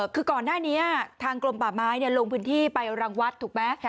คือก่อนหน้านี้ทางกรมป่าไม้ลงพื้นที่ไปรังวัดถูกไหม